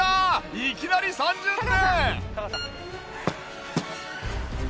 いきなり３０点！